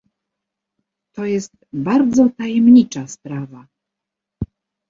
"To jest bardzo tajemnicza sprawa."